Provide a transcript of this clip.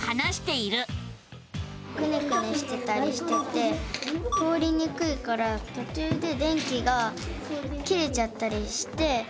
くねくねしてたりしてて通りにくいからとちゅうで電気が切れちゃったりして。